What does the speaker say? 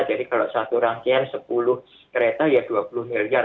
jadi kalau satu rangkaian sepuluh kereta ya dua puluh miliar